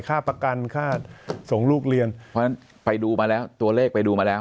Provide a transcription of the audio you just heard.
ค่าประกันค่าส่งลูกเรียนเพราะฉะนั้นไปดูมาแล้วตัวเลขไปดูมาแล้ว